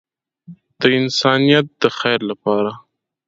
د انسانیت د خیر لپاره.